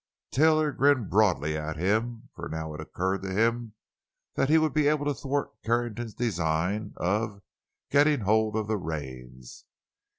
Taylor grinned broadly at him, for now it occurred to him that he would be able to thwart Carrington's designs of "getting hold of the reins."